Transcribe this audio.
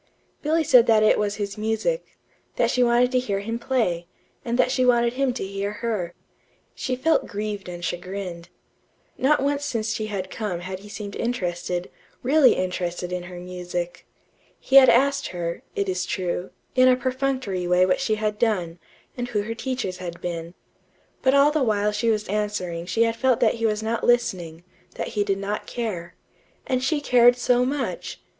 Billy said that it was his music; that she wanted to hear him play, and that she wanted him to hear her. She felt grieved and chagrined. Not once since she had come had he seemed interested really interested in her music. He had asked her, it is true, in a perfunctory way what she had done, and who her teachers had been. But all the while she was answering she had felt that he was not listening; that he did not care. And she cared so much!